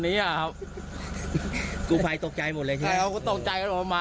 นี้อ่ะครับกูภายตกใจหมดเลยใช่ครับกูตกใจกันมา